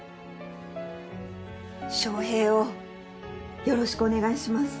翔平をよろしくお願いします。